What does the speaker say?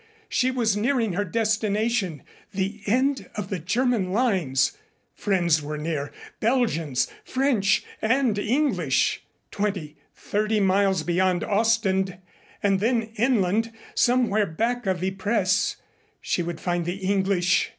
She was nearing her destination the end of the German lines. Friends were near Belgians, French, and English. Twenty thirty miles beyond Ostend and then inland somewhere back of Ypres she would find the English.